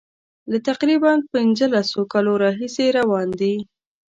له تقریبا پنځلسو کالو راهیسي روان دي.